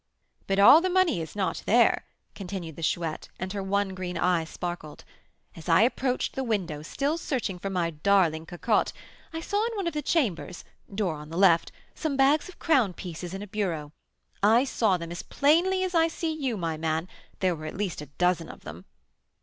"But all the money is not there," continued the Chouette, and her one green eye sparkled. "As I approached the windows, still searching for my darling Cocotte, I saw in one of the chambers (door on the left) some bags of crown pieces, in a bureau. I saw them as plainly as I see you, my man; there were at least a dozen of them."